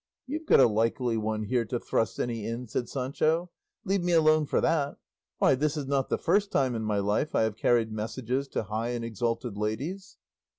"You've got a likely one here to thrust any in!" said Sancho; "leave me alone for that! Why, this is not the first time in my life I have carried messages to high and exalted ladies."